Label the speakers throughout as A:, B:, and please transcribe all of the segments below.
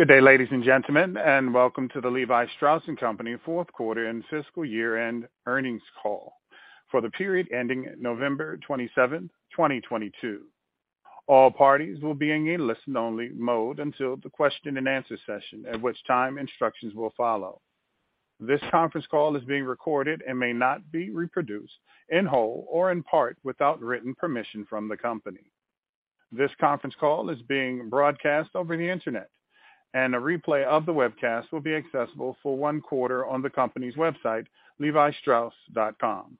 A: Good day, ladies and gentlemen, welcome to the Levi Strauss & Co. fourth quarter and fiscal year-end earnings call for the period ending November 27th, 2022. All parties will be in a listen-only mode until the question and answer session, at which time instructions will follow. This conference call is being recorded and may not be reproduced in whole or in part without written permission from the company. This conference call is being broadcast over the Internet, a replay of the webcast will be accessible for one quarter on the company's website, levistrauss.com.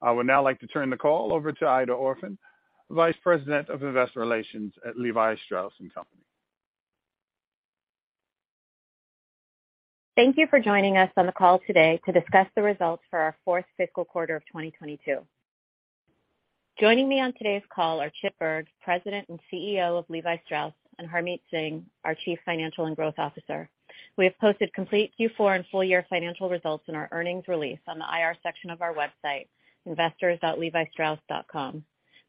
A: I would now like to turn the call over to Aida Orphan, Vice President of Investor Relations at Levi Strauss & Co..
B: Thank you for joining us on the call today to discuss the results for our fourth fiscal quarter of 2022. Joining me on today's call are Chip Bergh, President and CEO of Levi Strauss, and Harmit Singh, our Chief Financial and Growth Officer. We have posted complete Q4 and full year financial results in our earnings release on the IR section of our website, investors.levistrauss.com.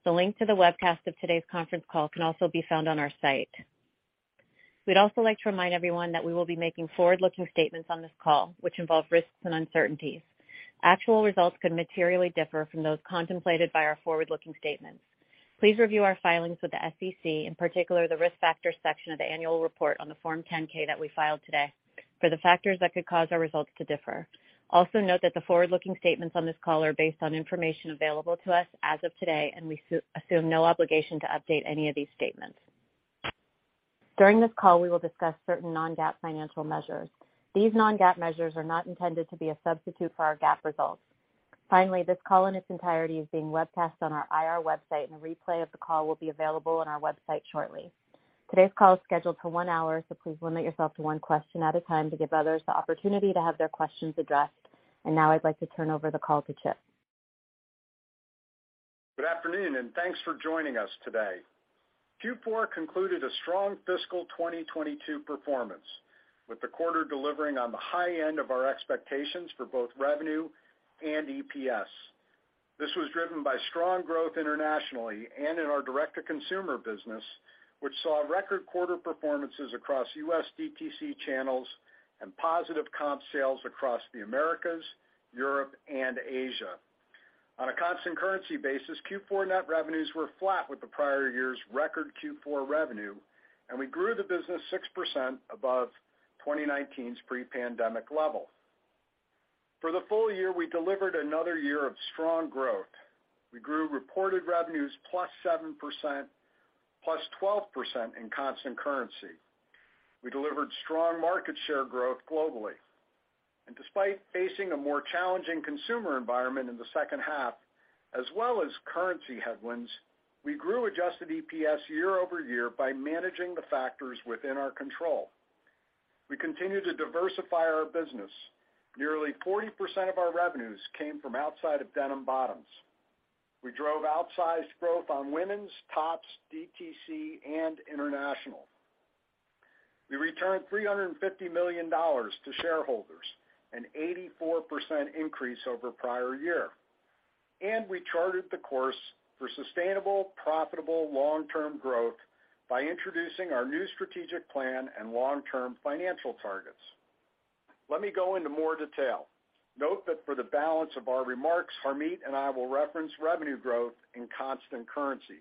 B: The link to the webcast of today's conference call can also be found on our site. We'd also like to remind everyone that we will be making forward-looking statements on this call, which involve risks and uncertainties. Actual results could materially differ from those contemplated by our forward-looking statements. Please review our filings with the SEC, in particular, the Risk Factors section of the annual report on the form 10-K that we filed today, for the factors that could cause our results to differ. Also note that the forward-looking statements on this call are based on information available to us as of today, and we assume no obligation to update any of these statements. During this call, we will discuss certain non-GAAP financial measures. These non-GAAP measures are not intended to be a substitute for our GAAP results. Finally, this call in its entirety is being webcast on our IR website, and a replay of the call will be available on our website shortly. Today's call is scheduled for 1 hour, so please limit yourself to one question at a time to give others the opportunity to have their questions addressed. Now I'd like to turn over the call to Chip.
C: Good afternoon, and thanks for joining us today. Q4 concluded a strong fiscal 2022 performance, with the quarter delivering on the high end of our expectations for both revenue and EPS. This was driven by strong growth internationally and in our direct-to-consumer business, which saw record quarter performances across U.S. DTC channels and positive comp sales across the Americas, Europe, and Asia. On a constant currency basis, Q4 net revenues were flat with the prior year's record Q4 revenue. We grew the business 6% above 2019's pre-pandemic level. For the full year, we delivered another year of strong growth. We grew reported revenues plus 7%, plus 12% in constant currency. We delivered strong market share growth globally. Despite facing a more challenging consumer environment in the second half, as well as currency headwinds, we grew adjusted EPS year-over-year by managing the factors within our control. We continue to diversify our business. Nearly 40% of our revenues came from outside of denim bottoms. We drove outsized growth on women's, tops, DTC, and international. We returned $350 million to shareholders, an 84% increase over prior year. We charted the course for sustainable, profitable long-term growth by introducing our new strategic plan and long-term financial targets. Let me go into more detail. Note that for the balance of our remarks, Harmit and I will reference revenue growth in constant currency.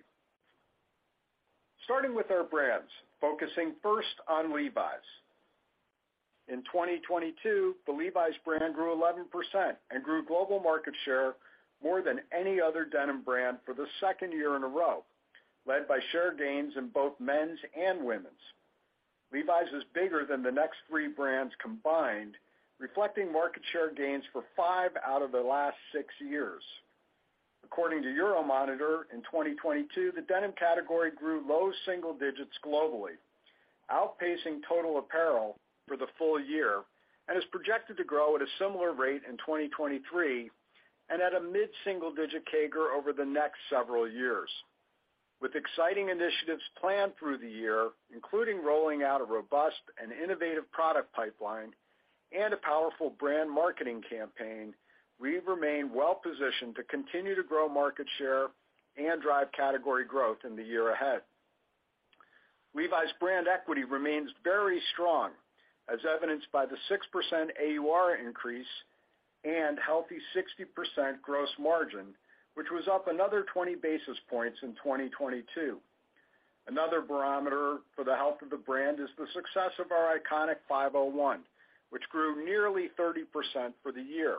C: Starting with our brands, focusing first on Levi's. In 2022, the Levi's brand grew 11% and grew global market share more than any other denim brand for the second year in a row, led by share gains in both men's and women's. Levi's is bigger than the next three brands combined, reflecting market share gains for five out of the last six years. According to Euromonitor, in 2022, the denim category grew low single digits globally, outpacing total apparel for the full year, and is projected to grow at a similar rate in 2023 and at a mid-single-digit CAGR over the next several years. With exciting initiatives planned through the year, including rolling out a robust and innovative product pipeline and a powerful brand marketing campaign, we remain well positioned to continue to grow market share and drive category growth in the year ahead. Levi's brand equity remains very strong, as evidenced by the 6% AUR increase and healthy 60% gross margin, which was up another 20 basis points in 2022. Another barometer for the health of the brand is the success of our iconic 501, which grew nearly 30% for the year.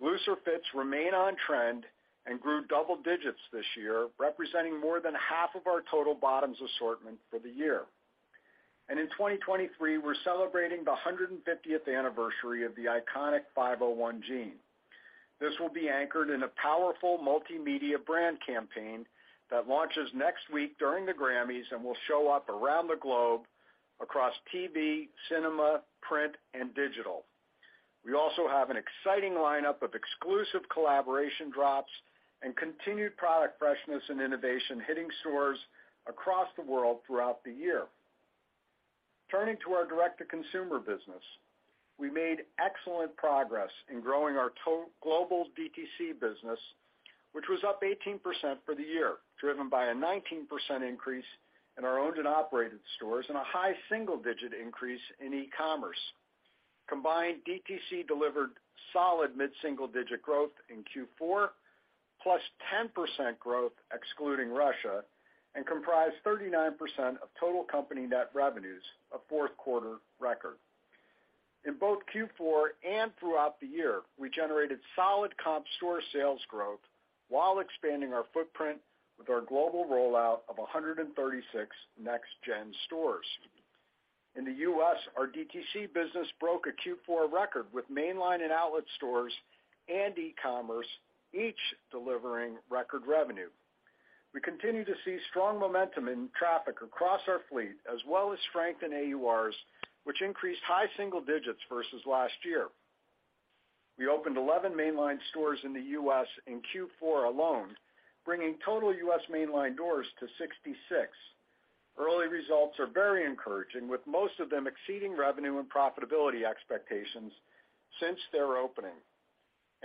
C: Looser fits remain on trend and grew double digits this year, representing more than half of our total bottoms assortment for the year. In 2023, we're celebrating the 150th anniversary of the iconic 501 jean. This will be anchored in a powerful multimedia brand campaign that launches next week during the Grammys and will show up around the globe across TV, cinema, print, and digital. We also have an exciting lineup of exclusive collaboration drops and continued product freshness and innovation hitting stores across the world throughout the year. Turning to our direct-to-consumer business. We made excellent progress in growing our global DTC business, which was up 18% for the year, driven by a 19% increase in our owned and operated stores and a high single-digit increase in e-commerce. Combined, DTC delivered solid mid-single-digit growth in Q4, plus 10% growth excluding Russia, and comprised 39% of total company net revenues, a fourth quarter record. In both Q4 and throughout the year, we generated solid comp store sales growth while expanding our footprint with our global rollout of 136 NextGen stores. In the U.S., our DTC business broke a Q4 record, with mainline and outlet stores and e-commerce each delivering record revenue. We continue to see strong momentum in traffic across our fleet, as well as strengthened AURs, which increased high single digits versus last year. We opened 11 mainline stores in the U.S. in Q4 alone, bringing total U.S. mainline doors to 66. Early results are very encouraging, with most of them exceeding revenue and profitability expectations since their opening.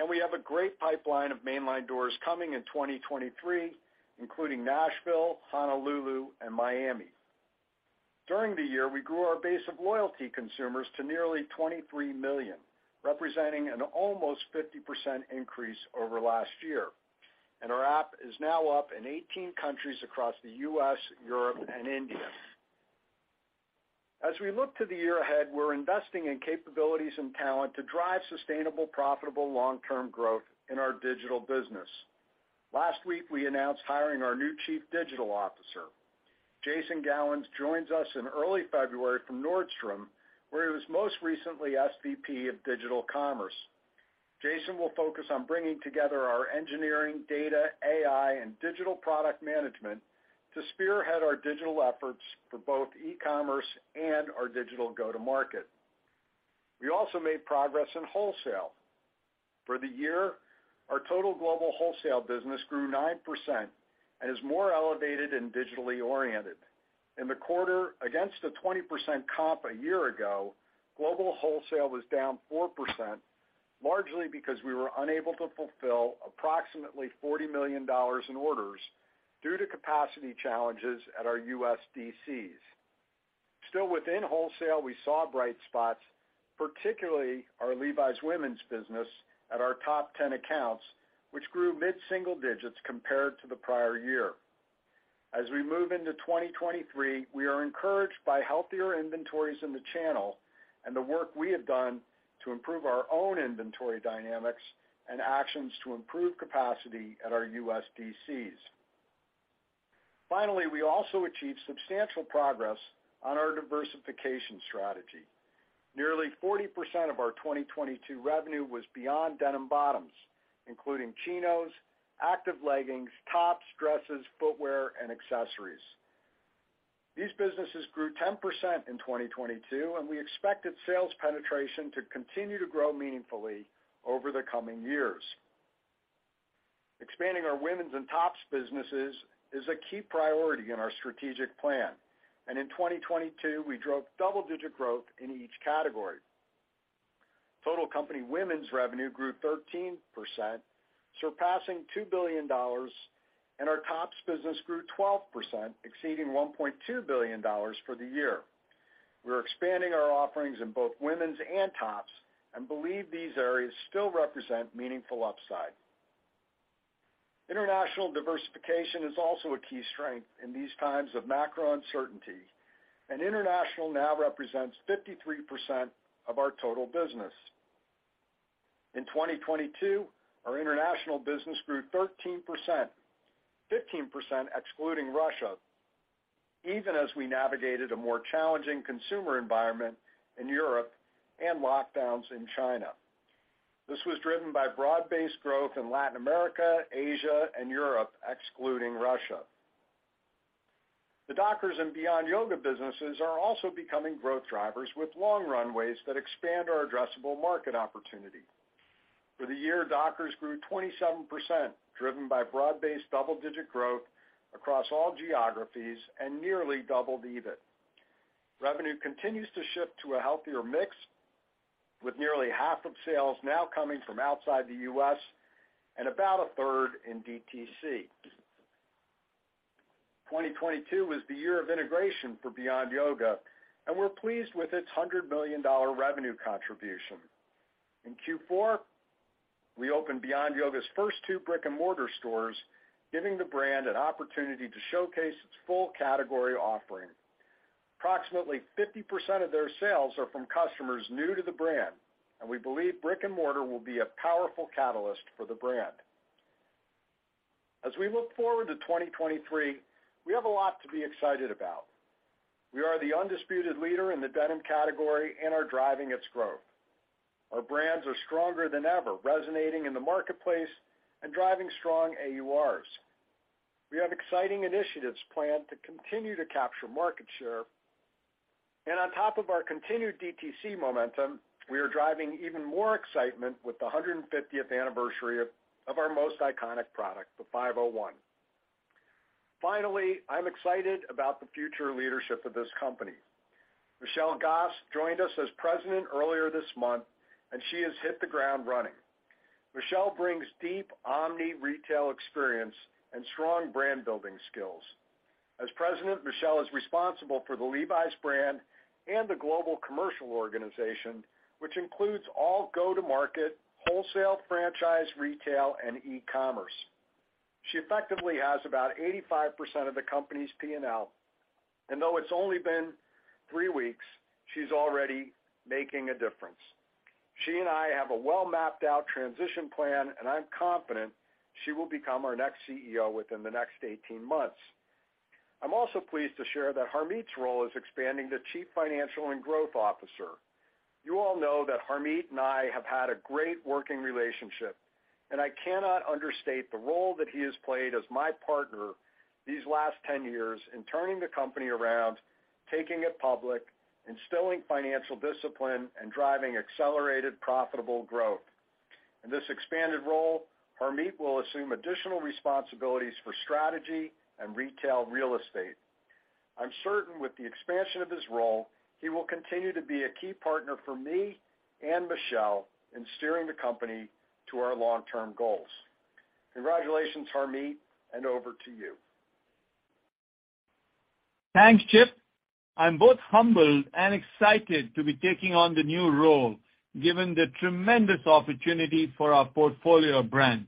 C: We have a great pipeline of mainline doors coming in 2023, including Nashville, Honolulu, and Miami. During the year, we grew our base of loyalty consumers to nearly 23 million, representing an almost 50% increase over last year, and our app is now up in 18 countries across the U.S., Europe, and India. As we look to the year ahead, we're investing in capabilities and talent to drive sustainable, profitable long-term growth in our digital business. Last week, we announced hiring our new Chief Digital Officer. Jason Gallins joins us in early February from Nordstrom, where he was most recently SVP of digital commerce. Jason will focus on bringing together our engineering, data, AI, and digital product management to spearhead our digital efforts for both e-commerce and our digital go-to-market. We also made progress in wholesale. For the year, our total global wholesale business grew 9% and is more elevated and digitally oriented. In the quarter, against the 20% comp a year ago, global wholesale was down 4%, largely because we were unable to fulfill approximately $40 million in orders due to capacity challenges at our U.S. DCs. Within wholesale, we saw bright spots, particularly our Levi's women's business at our top 10 accounts, which grew mid-single digits compared to the prior year. As we move into 2023, we are encouraged by healthier inventories in the channel and the work we have done to improve our own inventory dynamics and actions to improve capacity at our U.S. DCs. We also achieved substantial progress on our diversification strategy. Nearly 40% of our 2022 revenue was beyond denim bottoms, including chinos, active leggings, tops, dresses, footwear, and accessories. These businesses grew 10% in 2022, we expected sales penetration to continue to grow meaningfully over the coming years. Expanding our women's and tops businesses is a key priority in our strategic plan, in 2022, we drove double-digit growth in each category. Total company women's revenue grew 13%, surpassing $2 billion, our tops business grew 12%, exceeding $1.2 billion for the year. We're expanding our offerings in both women's and tops and believe these areas still represent meaningful upside. International diversification is also a key strength in these times of macro uncertainty. International now represents 53% of our total business. In 2022, our international business grew 13%, 15% excluding Russia, even as we navigated a more challenging consumer environment in Europe and lockdowns in China. This was driven by broad-based growth in Latin America, Asia, and Europe, excluding Russia. The Dockers and Beyond Yoga businesses are also becoming growth drivers with long runways that expand our addressable market opportunity. For the year, Dockers grew 27%, driven by broad-based double-digit growth across all geographies and nearly doubled EBIT. Revenue continues to shift to a healthier mix, with nearly half of sales now coming from outside the U.S. and about a third in DTC. 2022 was the year of integration for Beyond Yoga, and we're pleased with its $100 million revenue contribution. In Q4, we opened Beyond Yoga's first two brick-and-mortar stores, giving the brand an opportunity to showcase its full category offering. Approximately 50% of their sales are from customers new to the brand, and we believe brick-and-mortar will be a powerful catalyst for the brand. As we look forward to 2023, we have a lot to be excited about. We are the undisputed leader in the denim category and are driving its growth. Our brands are stronger than ever, resonating in the marketplace and driving strong AURs. We have exciting initiatives planned to continue to capture market share. On top of our continued DTC momentum, we are driving even more excitement with the 150th anniversary of our most iconic product, the 501. Finally, I'm excited about the future leadership of this company. Michelle Gass joined us as President earlier this month, and she has hit the ground running. Michelle brings deep omni-retail experience and strong brand-building skills. As President, Michelle is responsible for the Levi's brand and the global commercial organization, which includes all go-to-market, wholesale, franchise, retail, and e-commerce. She effectively has about 85% of the company's P&L. Though it's only been three weeks, she's already making a difference. She and I have a well-mapped-out transition plan, and I'm confident she will become our next CEO within the next 18 months. I'm also pleased to share that Harmit's role is expanding to Chief Financial and Growth Officer. You all know that Harmit and I have had a great working relationship, and I cannot understate the role that he has played as my partner these last 10 years in turning the company around, taking it public, instilling financial discipline, and driving accelerated profitable growth. In this expanded role, Harmit will assume additional responsibilities for strategy and retail real estate. I'm certain with the expansion of his role, he will continue to be a key partner for me and Michelle in steering the company to our long-term goals. Congratulations, Harmit. Over to you.
D: Thanks, Chip. I'm both humbled and excited to be taking on the new role, given the tremendous opportunity for our portfolio brand.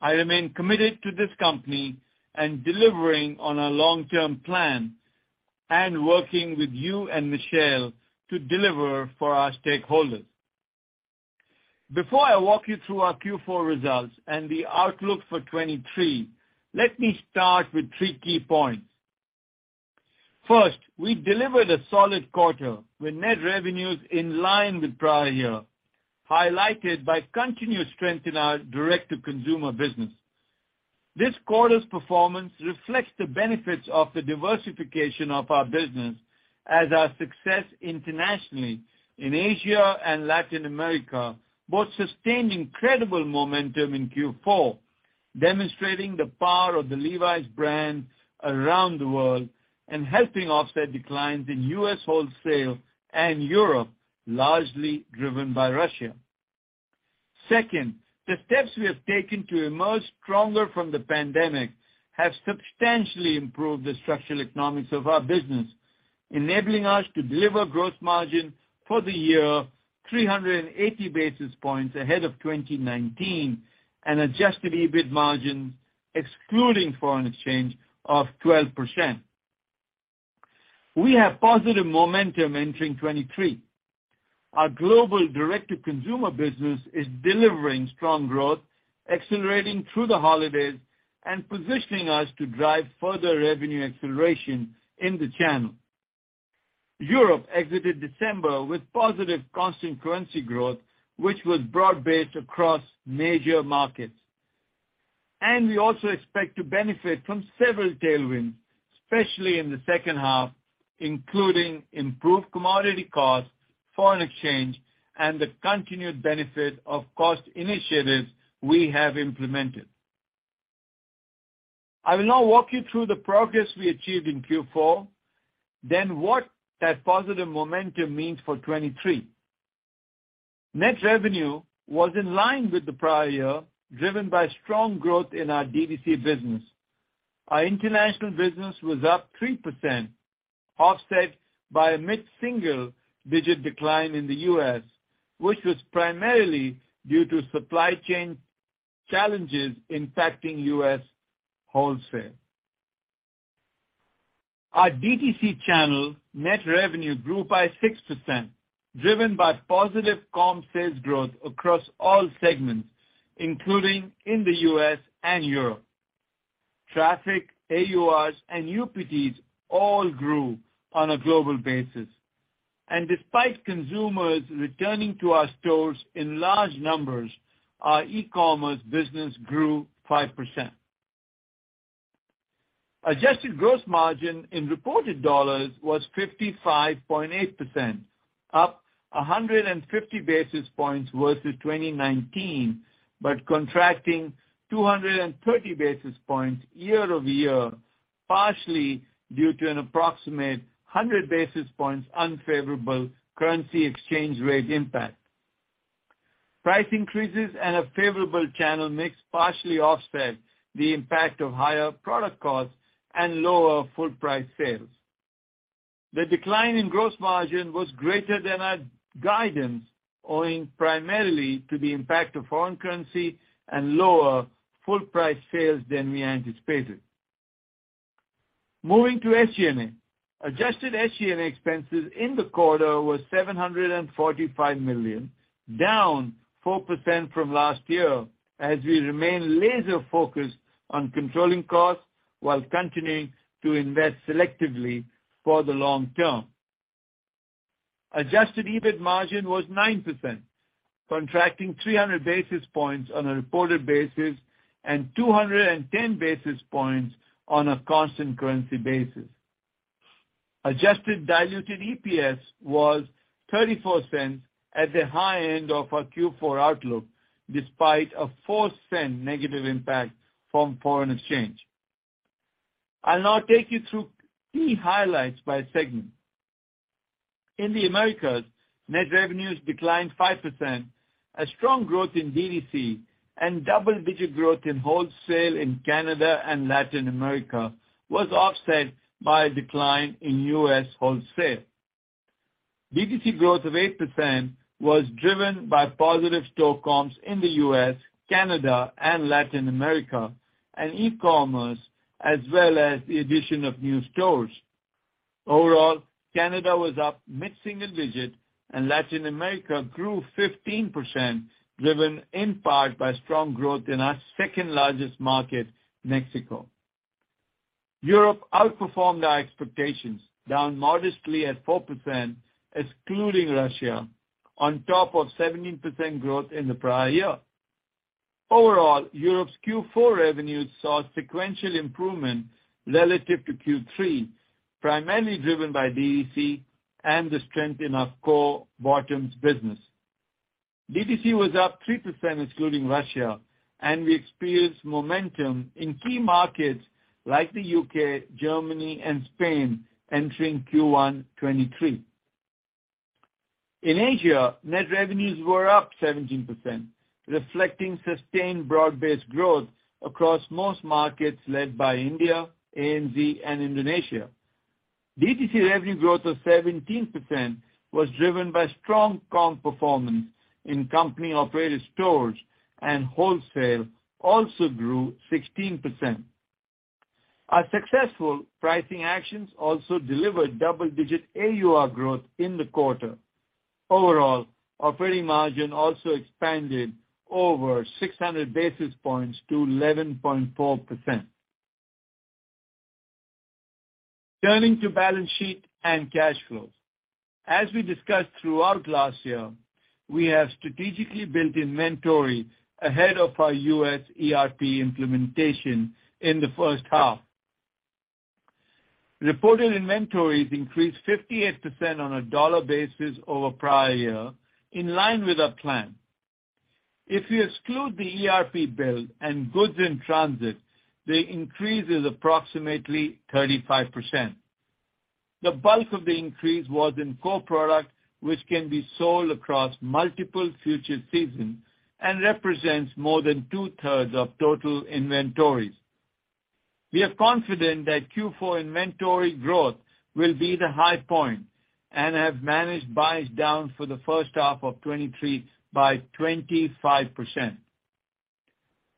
D: I remain committed to this company and delivering on our long-term plan and working with you and Michelle to deliver for our stakeholders. Before I walk you through our Q4 results and the outlook for 2023, let me start with three key points. 1st, we delivered a solid quarter with net revenues in line with prior year, highlighted by continued strength in our direct-to-consumer business. This quarter's performance reflects the benefits of the diversification of our business as our success internationally in Asia and Latin America both sustained incredible momentum in Q4, demonstrating the power of the Levi's brand around the world and helping offset declines in U.S. wholesale and Europe, largely driven by Russia. 2nd, the steps we have taken to emerge stronger from the pandemic have substantially improved the structural economics of our business, enabling us to deliver growth margin for the year 380 basis points ahead of 2019 and adjusted EBIT margin, excluding foreign exchange, of 12%. We have positive momentum entering 23. Our global direct-to-consumer business is delivering strong growth, accelerating through the holidays and positioning us to drive further revenue acceleration in the channel. Europe exited December with positive constant currency growth, which was broad-based across major markets. We also expect to benefit from several tailwinds, especially in the second half, including improved commodity costs, foreign exchange, and the continued benefit of cost initiatives we have implemented. I will now walk you through the progress we achieved in Q4, then what that positive momentum means for 23. Net revenue was in line with the prior year, driven by strong growth in our DTC business. Our international business was up 3%, offset by a mid-single digit decline in the U.S., which was primarily due to supply chain challenges impacting U.S. wholesale. Our DTC channel net revenue grew by 6%, driven by positive comp sales growth across all segments, including in the U.S. and Europe. Traffic, AURs, and UPDs all grew on a global basis. Despite consumers returning to our stores in large numbers, our e-commerce business grew 5%. Adjusted gross margin in reported dollars was 55.8%, up 150 basis points versus 2019, contracting 230 basis points year-over-year, partially due to an approximate 100 basis points unfavorable currency exchange rate impact. Price increases and a favorable channel mix partially offset the impact of higher product costs and lower full price sales. The decline in gross margin was greater than our guidance, owing primarily to the impact of foreign currency and lower full price sales than we anticipated. Moving to SG&A. Adjusted SG&A expenses in the quarter was $745 million, down 4% from last year, as we remain laser focused on controlling costs while continuing to invest selectively for the long term. Adjusted EBIT margin was 9%, contracting 300 basis points on a reported basis and 210 basis points on a constant currency basis. Adjusted diluted EPS was $0.34 at the high end of our Q4 outlook, despite a $0.04 negative impact from foreign exchange. I'll now take you through key highlights by segment. In the Americas, net revenues declined 5%. A strong growth in DTC and double-digit growth in wholesale in Canada and Latin America was offset by a decline in U.S. wholesale. DTC growth of 8% was driven by positive store comps in the U.S., Canada, and Latin America, and e-commerce, as well as the addition of new stores. Overall, Canada was up mid-single digit. Latin America grew 15%, driven in part by strong growth in our second-largest market, Mexico. Europe outperformed our expectations, down modestly at 4%, excluding Russia, on top of 17% growth in the prior year. Overall, Europe's Q4 revenues saw sequential improvement relative to Q3, primarily driven by DTC and the strength in our core bottoms business. DTC was up 3%, excluding Russia. We experienced momentum in key markets like the U.K., Germany, and Spain entering Q1 2023. In Asia, net revenues were up 17%, reflecting sustained broad-based growth across most markets, led by India, ANZ, and Indonesia. DTC revenue growth of 17% was driven by strong comp performance in company-operated stores, and wholesale also grew 16%. Our successful pricing actions also delivered double-digit AUR growth in the quarter. Overall, operating margin also expanded over 600 basis points to 11.4%. Turning to balance sheet and cash flows. As we discussed throughout last year, we have strategically built inventory ahead of our U.S. ERP implementation in the first half. Reported inventories increased 58% on a dollar basis over prior year, in line with our plan. If you exclude the ERP build and goods in transit, the increase is approximately 35%. The bulk of the increase was in core product, which can be sold across multiple future seasons and represents more than two-thirds of total inventories. We are confident that Q4 inventory growth will be the high point and have managed buys down for the first half of 2023 by 25%.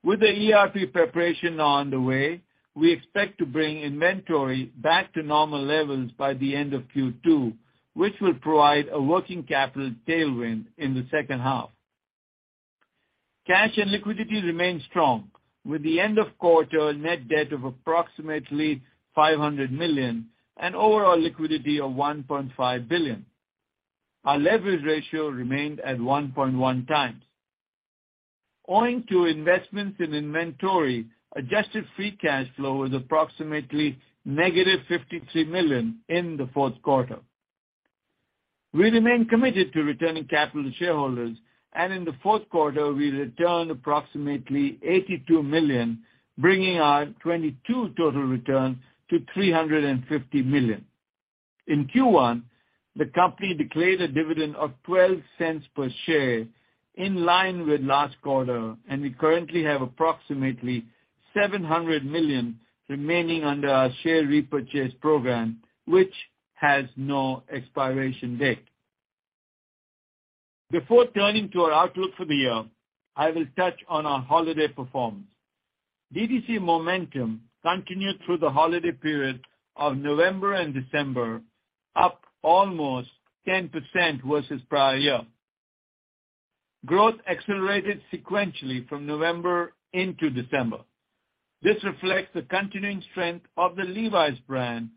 D: With the ERP preparation on the way, we expect to bring inventory back to normal levels by the end of Q2, which will provide a working capital tailwind in the second half. Cash and liquidity remain strong, with the end of quarter net debt of approximately $500 million and overall liquidity of $1.5 billion. Our leverage ratio remained at 1.1x. Owing to investments in inventory, adjusted free cash flow was approximately -$53 million in the fourth quarter. We remain committed to returning capital to shareholders, and in the fourth quarter, we returned approximately $82 million, bringing our 2022 total return to $350 million. In Q1, the company declared a dividend of $0.12 per share, in line with last quarter, and we currently have approximately $700 million remaining under our share repurchase program, which has no expiration date. Before turning to our outlook for the year, I will touch on our holiday performance. DTC momentum continued through the holiday period of November and December, up almost 10% versus prior year. Growth accelerated sequentially from November into December. This reflects the continuing strength of the Levi's brand,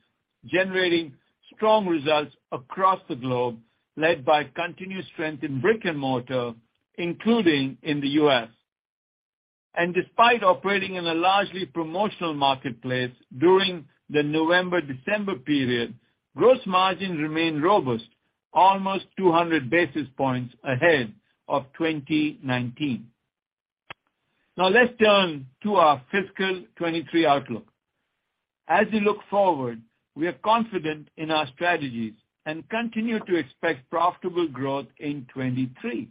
D: generating strong results across the globe, led by continued strength in brick and mortar, including in the U.S. Despite operating in a largely promotional marketplace during the November-December period, gross margin remained robust, almost 200 basis points ahead of 2019. Let's turn to our fiscal 2023 outlook. As we look forward, we are confident in our strategies and continue to expect profitable growth in 2023.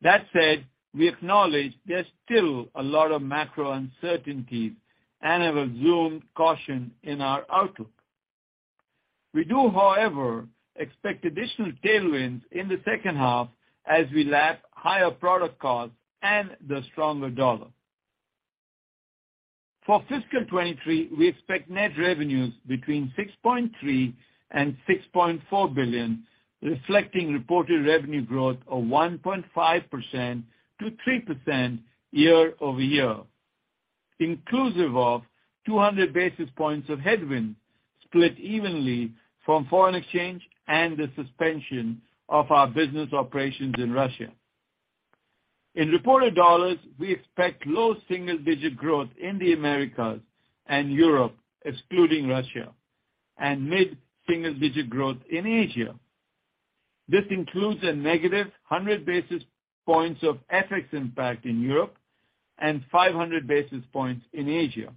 D: That said, we acknowledge there's still a lot of macro uncertainties and have assumed caution in our outlook. We do, however, expect additional tailwinds in the second half as we lap higher product costs and the stronger dollar. For fiscal 2023, we expect net revenues between $6.3 billion and $6.4 billion, reflecting reported revenue growth of 1.5% to 3% year-over-year, inclusive of 200 basis points of headwind split evenly from foreign exchange and the suspension of our business operations in Russia. In reported dollars, we expect low single-digit growth in the Americas and Europe, excluding Russia, and mid-single-digit growth in Asia. This includes a negative 100 basis points of FX impact in Europe and 500 basis points in Asia.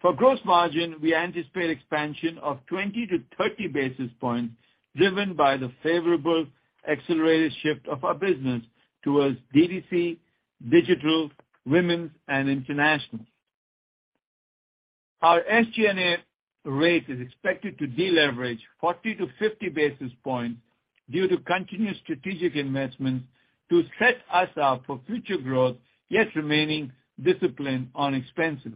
D: For gross margin, we anticipate expansion of 20 to 30 basis points, driven by the favorable accelerated shift of our business towards DTC, digital, women's and international. Our SG&A rate is expected to deleverage 40 to 50 basis points due to continued strategic investments to set us up for future growth, yet remaining disciplined on expenses.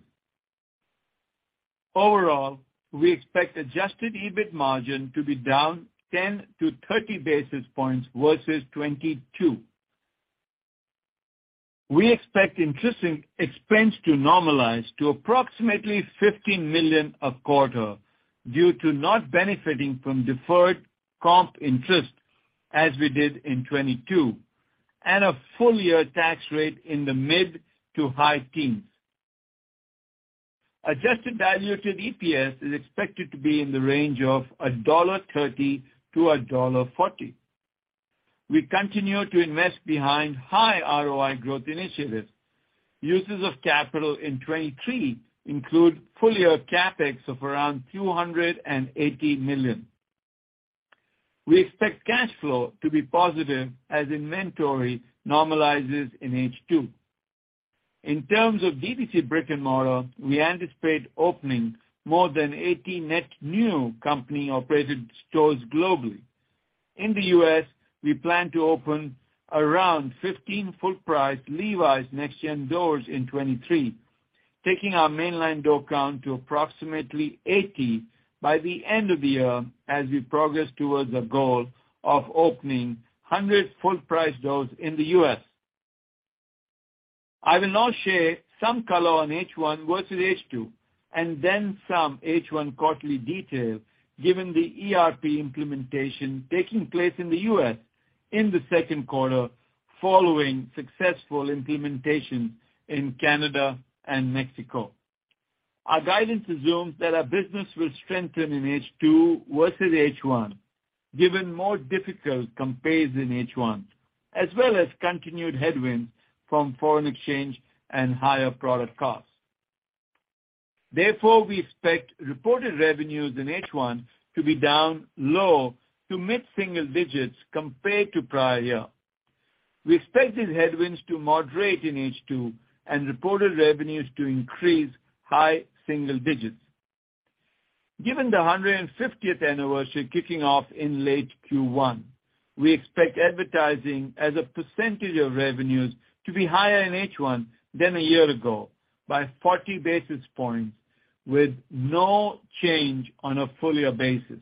D: Overall, we expect adjusted EBIT margin to be down 10-30 basis points versus 2022. We expect interest expense to normalize to approximately $15 million a quarter due to not benefiting from deferred comp interest as we did in 2022, and a full year tax rate in the mid-to-high teens. Adjusted diluted EPS is expected to be in the range of $1.30-$1.40. We continue to invest behind high ROI growth initiatives. Uses of capital in 2023 include full year CapEx of around $280 million. We expect cash flow to be positive as inventory normalizes in H2. In terms of DTC brick-and-mortar, we anticipate opening more than 80 net new company operated stores globally. In the U.S., we plan to open around 15 full price Levi's NextGen doors in 2023, taking our mainline door count to approximately 80 by the end of the year as we progress towards a goal of opening 100 full price doors in the U.S. I will now share some color on H1 versus H2, then some H1 quarterly detail given the ERP implementation taking place in the U.S. in the second quarter following successful implementation in Canada and Mexico. Our guidance assumes that our business will strengthen in H2 versus H1, given more difficult compares in H1, as well as continued headwinds from foreign exchange and higher product costs. Therefore, we expect reported revenues in H1 to be down low to mid single digits compared to prior year. We expect these headwinds to moderate in H2 and reported revenues to increase high single digits. Given the 150th anniversary kicking off in late Q1, we expect advertising as a percentage of revenues to be higher in H1 than a year ago by 40 basis points, with no change on a full year basis.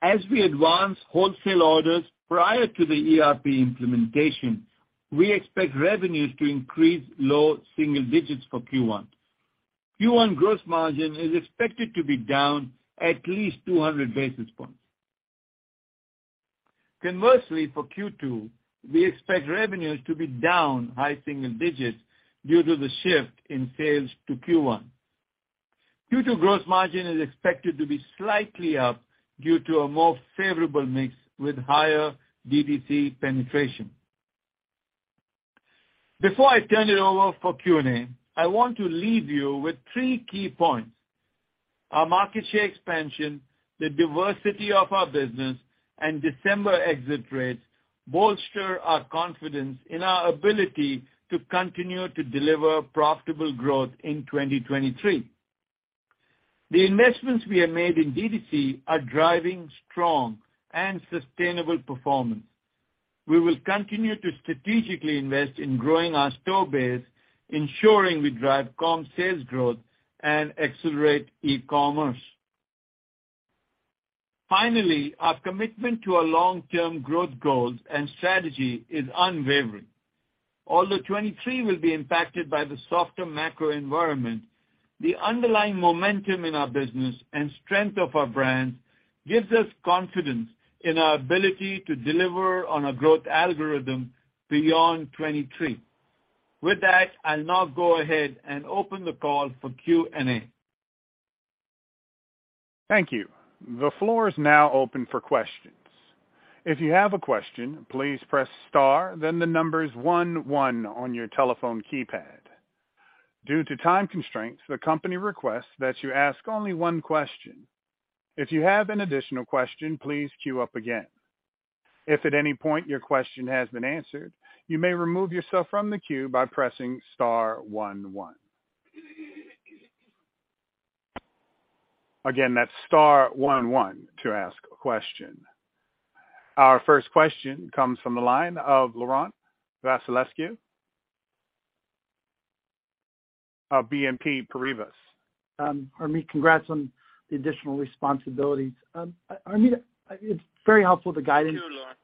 D: As we advance wholesale orders prior to the ERP implementation, we expect revenues to increase low single digits for Q1. Q1 gross margin is expected to be down at least 200 basis points. Conversely, for Q2, we expect revenues to be down high single digits due to the shift in sales to Q1. Q2 gross margin is expected to be slightly up due to a more favorable mix with higher DTC penetration. Before I turn it over for Q&A, I want to leave you with three key points. Our market share expansion, the diversity of our business, and December exit rates bolster our confidence in our ability to continue to deliver profitable growth in 2023. The investments we have made in DTC are driving strong and sustainable performance. We will continue to strategically invest in growing our store base, ensuring we drive comp sales growth and accelerate e-commerce. Our commitment to our long-term growth goals and strategy is unwavering. 2023 will be impacted by the softer macro environment, the underlying momentum in our business and strength of our brands gives us confidence in our ability to deliver on a growth algorithm beyond 2023. I'll now go ahead and open the call for Q&A.
A: Thank you. The floor is now open for questions. If you have a question, please press star then 11 on your telephone keypad. Due to time constraints, the company requests that you ask only one question. If you have an additional question, please queue up again. If at any point your question has been answered, you may remove yourself from the queue by pressing star 11. Again, that's star 11 to ask a question. Our first question comes from the line of Laurent Vasilescu of BNP Paribas.
E: Harmit, congrats on the additional responsibilities. Harmit, it's very helpful, the guidance.
D: Thank you, Laurent.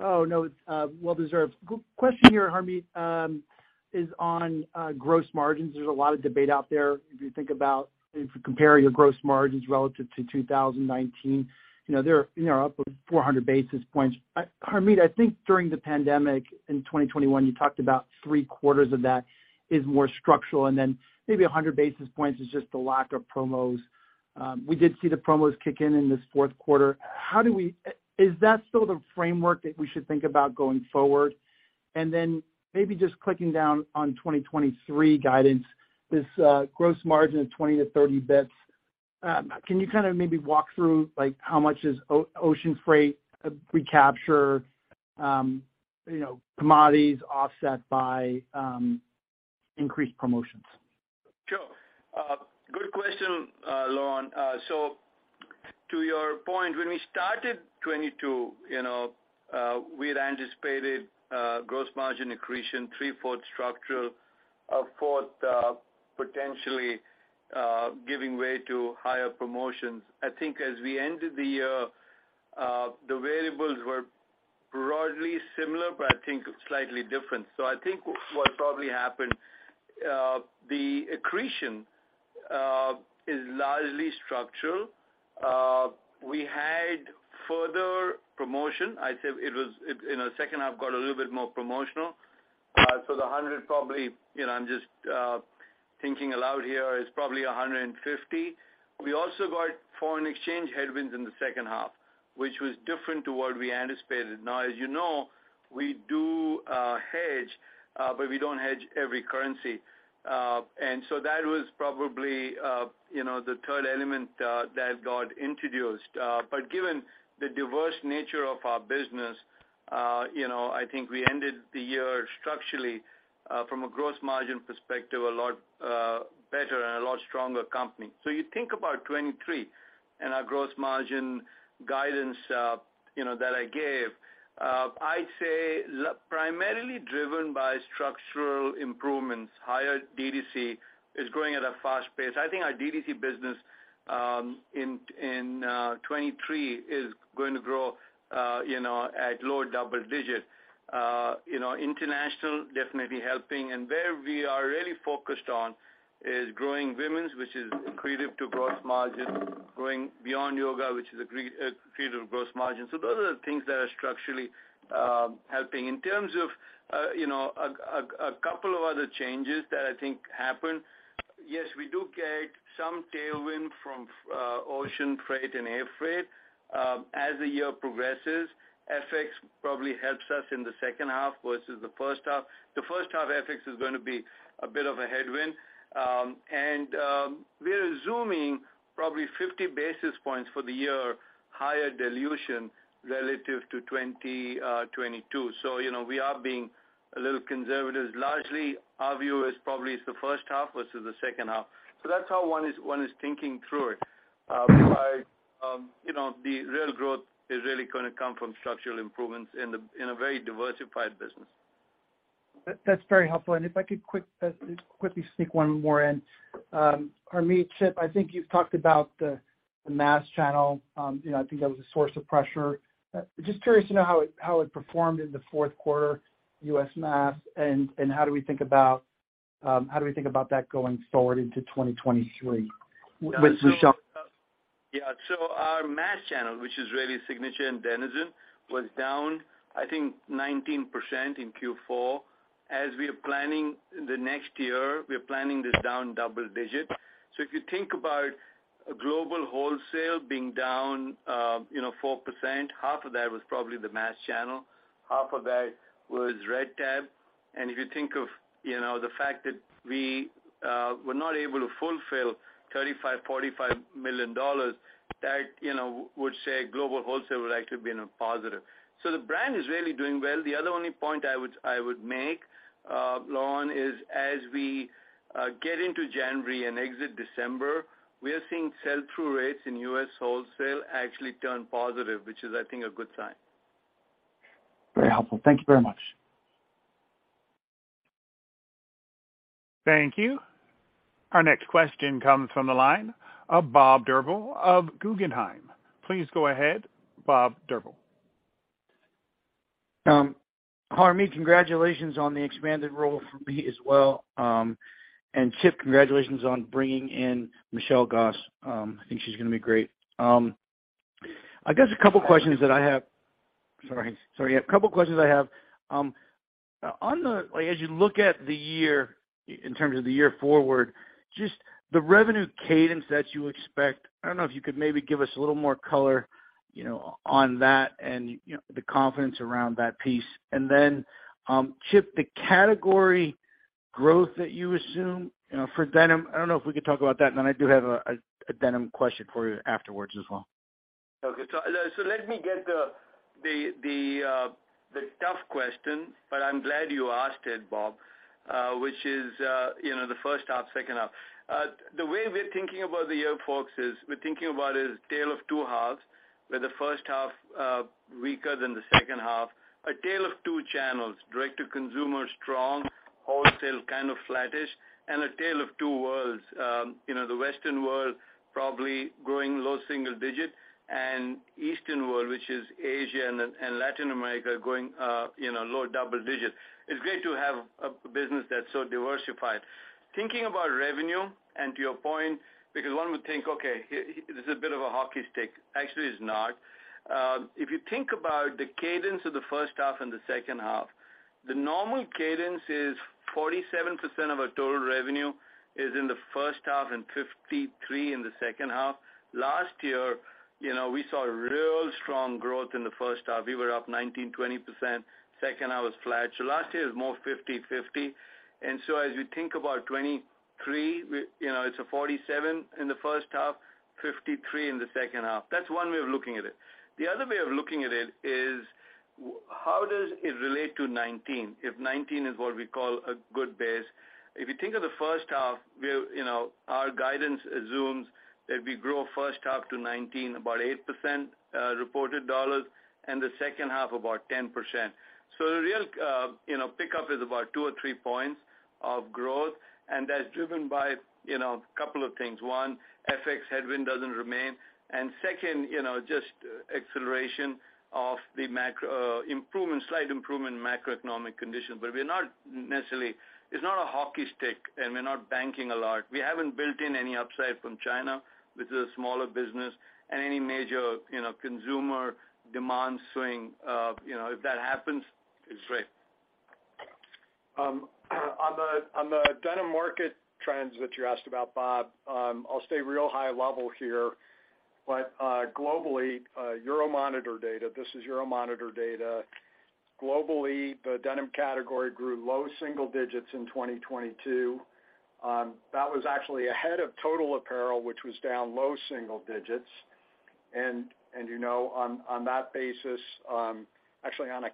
E: Oh, no, it's well deserved. Question here, Harmit. Is on gross margins. There's a lot of debate out there. If you compare your gross margins relative to 2019, you know, they're, you know, up of 400 basis points. Harmit, I think during the pandemic in 2021, you talked about three-quarters of that is more structural and then maybe 100 basis points is just the lack of promos. We did see the promos kick in in this fourth quarter. How is that still the framework that we should think about going forward? Then maybe just clicking down on 2023 guidance, this gross margin of 20 to 30 basis points. Can you kinda maybe walk through, like, how much is ocean freight recapture, you know, commodities offset by increased promotions?
D: Sure. Good question, Laurent. To your point, when we started 2022, you know, we had anticipated gross margin accretion three-fourths structural, a fourth, potentially giving way to higher promotions. I think as we ended the year, the variables were broadly similar, but I think slightly different. I think what probably happened, the accretion is largely structural. We had further promotion. I'd say, you know, second half got a little bit more promotional. The 100 probably, you know, I'm just thinking aloud here, is probably 150. We also got foreign exchange headwinds in the second half, which was different to what we anticipated. As you know, we do hedge, but we don't hedge every currency. That was probably, you know, the third element that got introduced. Given the diverse nature of our business, you know, I think we ended the year structurally from a gross margin perspective, a lot better and a lot stronger company. You think about 2023 and our gross margin guidance, you know, that I gave, I'd say primarily driven by structural improvements. Higher D2C is growing at a fast pace. I think our D2C business in 2023 is going to grow, you know, at lower double digits. You know, international definitely helping. Where we are really focused on is growing women's, which is accretive to gross margins, growing Beyond Yoga, which is accretive gross margin. Those are the things that are structurally helping. In terms of, you know, a couple of other changes that I think happened, yes, we do get some tailwind from ocean freight and air freight. As the year progresses, FX probably helps us in the second half versus the first half. The first half FX is gonna be a bit of a headwind. We're assuming probably 50 basis points for the year higher dilution relative to 2022. You know, we are being a little conservative. Largely, our view is probably it's the first half versus the second half. That's how one is thinking through it. You know, the real growth is really gonna come from structural improvements in a very diversified business.
E: That's, that's very helpful. If I could quick, quickly sneak one more in. Harmit, Chip, I think you've talked about the mass channel. You know, I think that was a source of pressure. Just curious to know how it performed in the fourth quarter, U.S. mass, and how do we think about that going forward into 2023 with Michelle?
D: Yeah. Our mass channel, which is really Signature and dENiZEN, was down, I think 19% in Q4. As we are planning the next year, we're planning this down double-digit. If you think about global wholesale being down, you know, 4%, half of that was probably the mass channel, half of that was Red Tab. If you think of, you know, the fact that we were not able to fulfill $35 million-$45 million, that, you know, would say global wholesale would actually been a positive. The brand is really doing well. The other only point I would make, Laurent, is as we get into January and exit December, we are seeing sell-through rates in U.S. wholesale actually turn positive, which is I think a good sign.
E: Very helpful. Thank you very much.
A: Thank you. Our next question comes from the line of Bob Drbul of Guggenheim. Please go ahead, Bob Drbul.
F: Harmit, congratulations on the expanded role. For me as well. Chip, congratulations on bringing in Michelle Gass. I think she's gonna be great. I guess a couple questions that I have. Sorry. A couple questions I have. As you look at the year in terms of the year forward, just the revenue cadence that you expect, I don't know if you could maybe give us a little more color, you know, on that and, you know, the confidence around that piece? Chip, the category growth that you assume, you know, for denim, I don't know if we could talk about that? I do have a denim question for you afterwards as well.
D: Okay. Let me get the tough question, but I'm glad you asked it, Bob, you know, the first half, second half. The way we're thinking about the year, folks, is we're thinking about is a tale of two halves, with the first half weaker than the second half. A tale of two channels, Direct-to-Consumer, strong, wholesale, kind of flattish, and a tale of two worlds. you know, the Western world probably growing low single digit and Eastern world, which is Asia and Latin America, growing, you know, low double digits. It's great to have a business that's so diversified. Thinking about revenue, and to your point, because one would think, okay, this is a bit of a hockey stick. Actually, it's not. If you think about the cadence of the first half and the second half, the normal cadence is 47% of our total revenue is in the first half and 53 in the second half. Last year, you know, we saw real strong growth in the first half. We were up 19%, 20%. Second half was flat. Last year was more 50/50. As you think about 2023, you know, it's a 47 in the first half, 53 in the second half. That's one way of looking at it. The other way of looking at it is how does it relate to 2019, if 2019 is what we call a good base? If you think of the first half, we're, you know, our guidance assumes that we grow first half to 2019, about 8%, reported dollars, and the second half, about 10%. The real, you know, pickup is about two or three points of growth, and that's driven by, you know, a couple of things. One, FX headwind doesn't remain. Second, you know, just acceleration of the macro improvement, slight improvement in macroeconomic conditions. We're not necessarily, it's not a hockey stick, and we're not banking a lot. We haven't built in any upside from China, which is a smaller business, and any major, you know, consumer demand swing. You know, if that happens, it's great.
C: On the denim market trends that you asked about, Bob, I'll stay real high level here. Globally, Euromonitor data, this is Euromonitor data. Globally, the denim category grew low single digits in 2022. That was actually ahead of total apparel, which was down low single digits. You know, on that basis, actually on a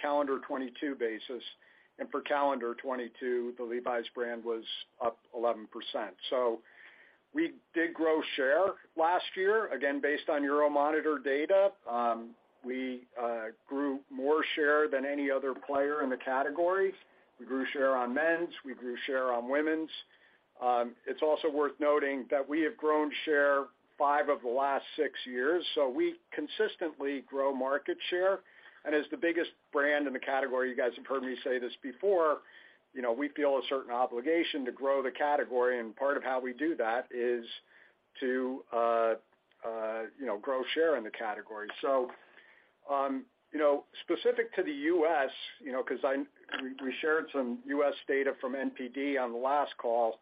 C: calendar '22 basis. For calendar '22, the Levi's brand was up 11%. We did grow share last year. Again, based on Euromonitor data, we grew more share than any other player in the category. We grew share on men's. We grew share on women's. It's also worth noting that we have grown share five of the last six years, so we consistently grow market share. As the biggest brand in the category, you guys have heard me say this before, you know, we feel a certain obligation to grow the category, and part of how we do that is to, you know, grow share in the category. You know, specific to the U.S., you know, because we shared some U.S. data from NPD on the last call.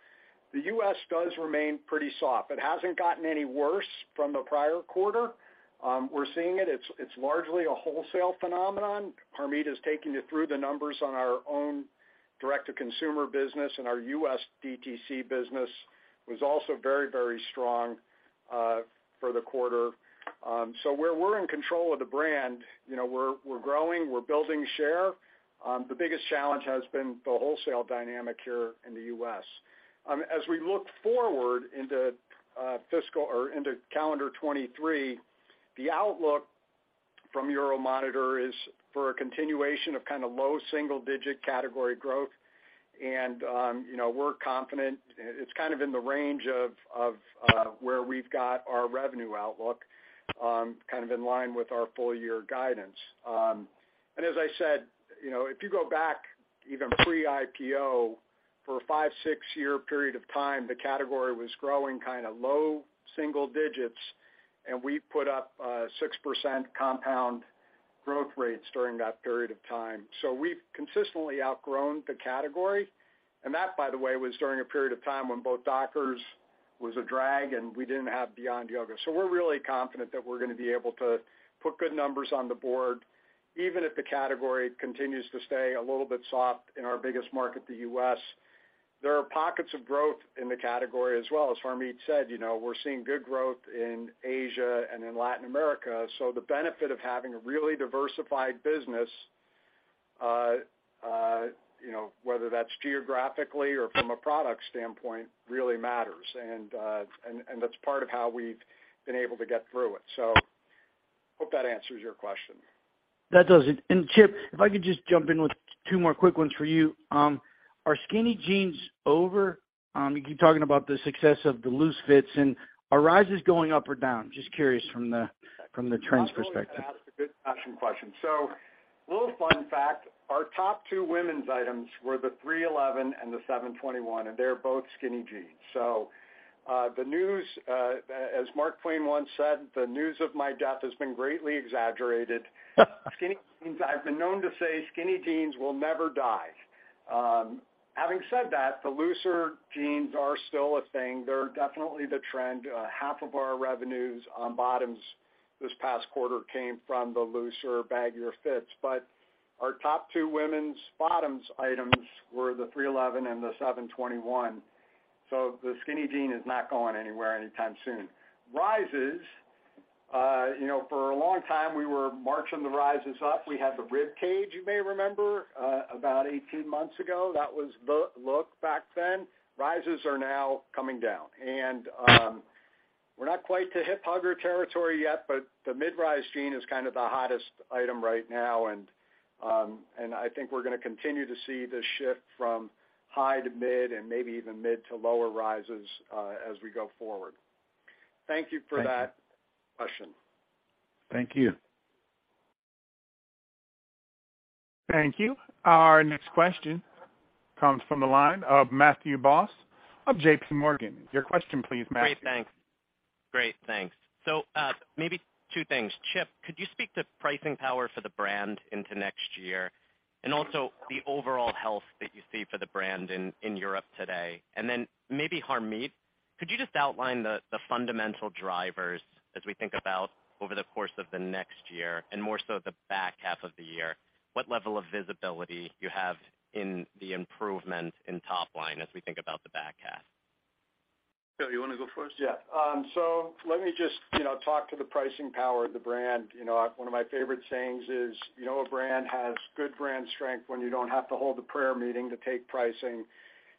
C: The U.S. does remain pretty soft. It hasn't gotten any worse from the prior quarter. We're seeing it. It's largely a wholesale phenomenon. Harmit has taken you through the numbers on our own direct-to-consumer business, and our U.S. DTC business was also very strong for the quarter. We're in control of the brand. You know, we're growing. We're building share. The biggest challenge has been the wholesale dynamic here in the U.S. As we look forward into fiscal or into calendar 2023, the outlook from Euromonitor is for a continuation of low single-digit category growth. We're confident. It's in the range of where we've got our revenue outlook in line with our full year guidance. As I said, if you go back even pre-IPO for a five, six year period of time, the category was growing low single-digits, and we put up 6% compound growth rates during that period of time. We've consistently outgrown the category. That, by the way, was during a period of time when both Dockers was a drag and we didn't have Beyond Yoga. We're really confident that we're gonna be able to put good numbers on the board, even if the category continues to stay a little bit soft in our biggest market, the U.S. There are pockets of growth in the category as well. As Harmit said, you know, we're seeing good growth in Asia and in Latin America. The benefit of having a really diversified business, you know, whether that's geographically or from a product standpoint, really matters. That's part of how we've been able to get through it. Hope that answers your question.
F: That does it. Chip, if I could just jump in with two more quick ones for you. Are skinny jeans over? You keep talking about the success of the loose fits. Are rises going up or down? Just curious from the, from the trends perspective.
C: That's a good fashion question. A little fun fact, our top two women's items were the 311 and the 721, and they're both skinny jeans. The news, as Mark Twain once said, "The news of my death has been greatly exaggerated." Skinny jeans, I've been known to say skinny jeans will never die. Having said that, the looser jeans are still a thing. They're definitely the trend. Half of our revenues on bottoms this past quarter came from the looser, baggier fits. Our top two women's bottoms items were the 311 and the 721. The skinny jean is not going anywhere anytime soon. Rises, you know, for a long time, we were marching the rises up. We had the Ribcage, you may remember, about 18 months ago. That was the look back then. Rises are now coming down. We're not quite to hip hugger territory yet, but the mid-rise jean is kind of the hottest item right now, and I think we're gonna continue to see this shift from high to mid, and maybe even mid to lower rises, as we go forward. Thank you for that question.
F: Thank you.
A: Thank you. Our next question comes from the line of Matthew Boss of JPMorgan. Your question please, Matthew.
G: Great. Thanks. Great, thanks. Maybe two things. Chip, could you speak to pricing power for the brand into next year? And also the overall health that you see for the brand in Europe today? Maybe Harmit, could you just outline the fundamental drivers as we think about over the course of the next year, and more so the back half of the year, what level of visibility you have in the improvement in top line as we think about the back half?
D: Chip, you wanna go first?
C: Yeah. Let me just, you know, talk to the pricing power of the brand. You know, one of my favorite sayings is, you know a brand has good brand strength when you don't have to hold a prayer meeting to take pricing.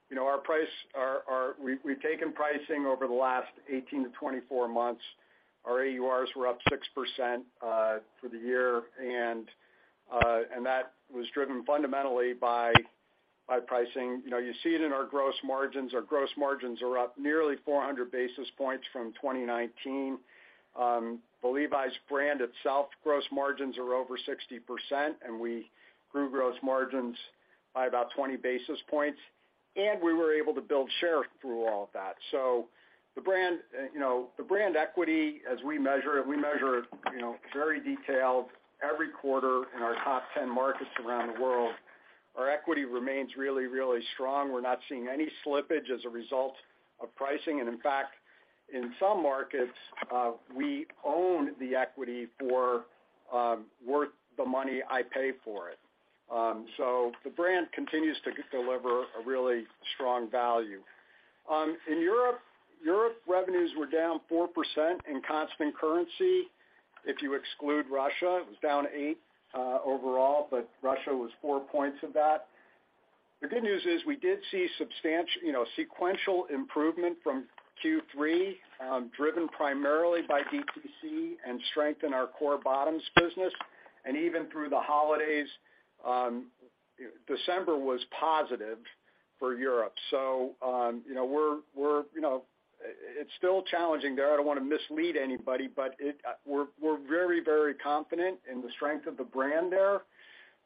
C: You know, we've taken pricing over the last 18 to 24 months. Our AURs were up 6% for the year. That was driven fundamentally by pricing. You know, you see it in our gross margins. Our gross margins are up nearly 400 basis points from 2019. The Levi's brand itself, gross margins are over 60%, and we grew gross margins by about 20 basis points. We were able to build share through all of that. The brand, you know, the brand equity as we measure it, we measure it, you know, very detailed every quarter in our top 10 markets around the world. Our equity remains really, really strong. We're not seeing any slippage as a result of pricing. In fact, in some markets, we own the equity for worth the money I pay for it. The brand continues to deliver a really strong value. In Europe revenues were down 4% in constant currency. If you exclude Russia, it was down eight overall, but Russia was 4 points of that. The good news is we did see you know, sequential improvement from Q3, driven primarily by DTC and strength in our core bottoms business. Even through the holidays, December was positive for Europe. You know, it's still challenging there. I don't wanna mislead anybody, but we're very confident in the strength of the brand there.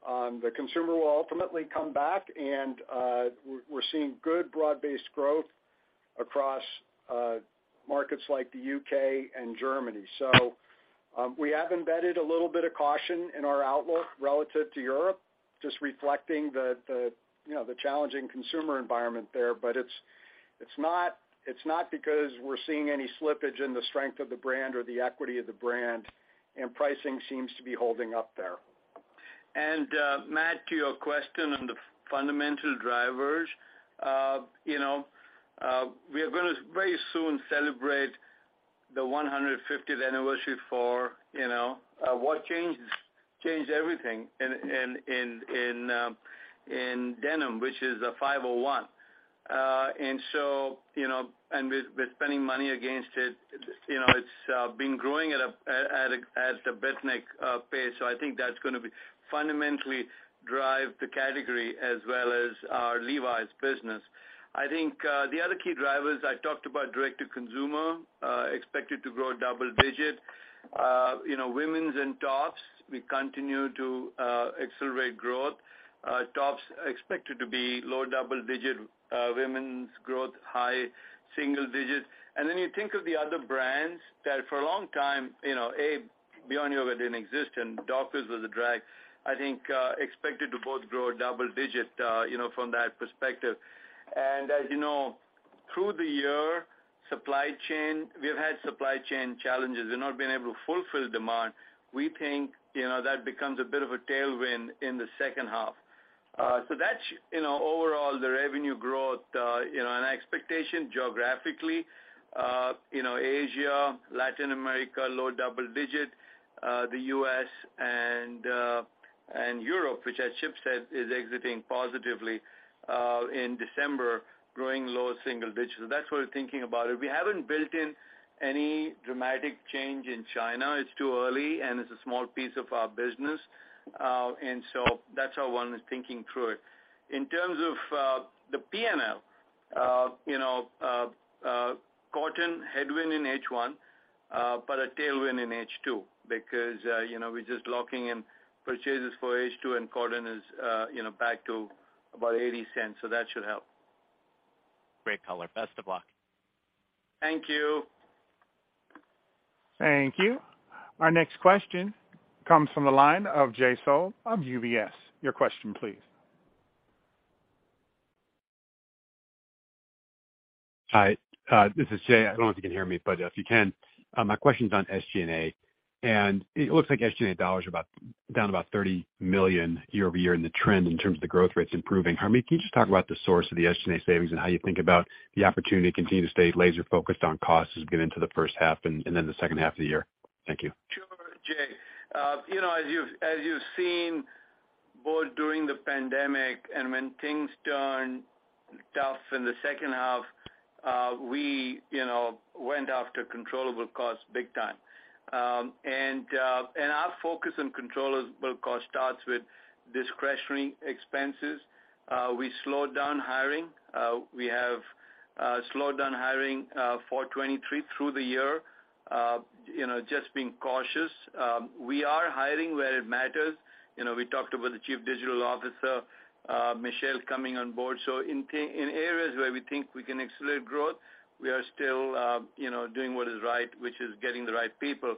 C: The consumer will ultimately come back and we're seeing good broad-based growth across markets like the U.K. and Germany. We have embedded a little bit of caution in our outlook relative to Europe, just reflecting the challenging consumer environment there. It's not because we're seeing any slippage in the strength of the brand or the equity of the brand, and pricing seems to be holding up there.
D: Matt, to your question on the fundamental drivers, we are going to very soon celebrate the 150th anniversary for what changed everything in denim, which is the 501. We're spending money against it. It's been growing at a breathtaking pace. I think that's going to be fundamentally drive the category as well as our Levi's business. I think the other key drivers I talked about, direct to consumer, expected to grow double-digit. Women's and tops, we continue to accelerate growth. Tops expected to be low double-digit, women's growth, high single-digit. You think of the other brands that for a long time, you know, Abe, Beyond Yoga didn't exist, and Dockers was a drag. I think, expected to both grow double-digit, you know, from that perspective. As you know, through the year, we've had supply chain challenges. We've not been able to fulfill demand. We think, you know, that becomes a bit of a tailwind in the second half. That's, you know, overall the revenue growth, you know, and expectation geographically, you know, Asia, Latin America, low double-digit, the U.S. and Europe, which as Chip said, is exiting positively in December, growing low single-digits. That's what we're thinking about it. We haven't built in any dramatic change in China. It's too early, and it's a small piece of our business. That's how one is thinking through it. In terms of the P&L, you know, cotton headwind in H1, but a tailwind in H2 because, you know, we're just locking in purchases for H2 and cotton is, you know, back to about $0.80, so that should help.
G: Great color. Best of luck.
D: Thank you.
A: Thank you. Our next question comes from the line of Jay Sole of UBS. Your question, please.
H: Hi, this is Jay. I don't know if you can hear me, but if you can, my question's on SG&A. It looks like SG&A dollars are down about $30 million year-over-year in the trend in terms of the growth rates improving. Harmit, can you just talk about the source of the SG&A savings and how you think about the opportunity to continue to stay laser focused on costs as we get into the first half and then the second half of the year? Thank you.
D: Sure, Jay. you know, as you've seen both during the pandemic and when things turnedIn the second half, we, you know, went after controllable costs big time. Our focus on controllable cost starts with discretionary expenses. We slowed down hiring. We have slowed down hiring 2023 through the year, you know, just being cautious. We are hiring where it matters. You know, we talked about the Chief Digital Officer, Michelle coming on board. In areas where we think we can accelerate growth, we are still, you know, doing what is right, which is getting the right people.